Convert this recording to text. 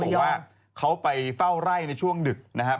บอกว่าเขาไปเฝ้าไร่ในช่วงดึกนะครับ